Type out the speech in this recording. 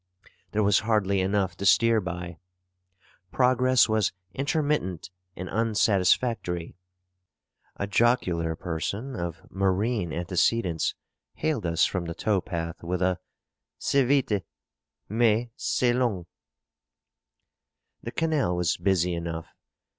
There was hardly enough to steer by. Progress was intermittent and unsatisfactory. A jocular person, of marine antecedents, hailed us from the tow path with a 'C'est vite, mais c'est long.' The canal was busy enough.